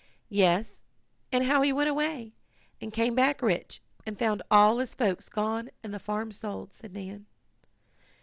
"Yes, and how he went away, and came back rich, and found all his folks gone and the farm sold," said Nan.